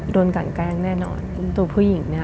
โดนกันแกล้งแน่นอนตัวผู้หญิงเนี่ย